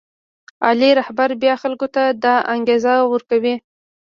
عالي رهبر بیا خلکو ته دا انګېزه ورکوي.